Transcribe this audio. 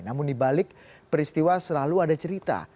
namun dibalik peristiwa selalu ada cerita